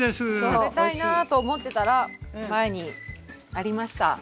食べたいなと思ってたら前にありました。